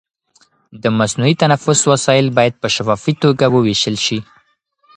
د مصنوعي تنفس وسایل باید په شفافي توګه وویشل شي.